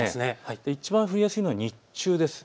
いちばん降りやすいのは日中です。